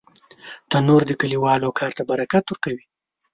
تنور د کلیوالو کار ته برکت ورکوي